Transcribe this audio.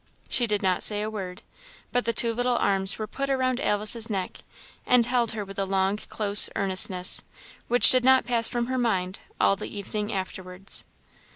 She did not say a word, but the two little arms were put around Alice's neck, and held her with a long, close earnestness, which did not pass from her mind all the evening afterwards.